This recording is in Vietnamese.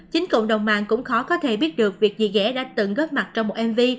chính cộng đồng mạng cũng khó có thể biết được việc gì ghe đã từng góp mặt trong một mv